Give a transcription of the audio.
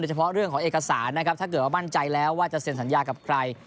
เฉพาะเรื่องของเอกสารนะครับถ้าเกิดว่ามั่นใจแล้วว่าจะเซ็นสัญญากับใคร